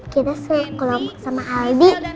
kita sekelompok sama aldi